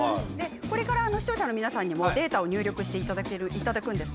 視聴者の皆さんにもデータを入力していただきます。